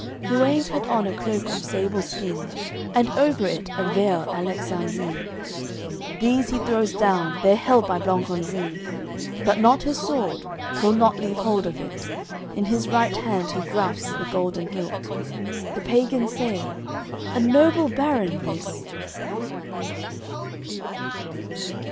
Guenes had on a cloke of sable skin, And over it a veil Alexandrin; These he throws down, they're held by Blancandrin; But not his sword, he'll not leave hold of it, In his right hand he grasps the golden hilt. The pagans say. "A noble baron, this."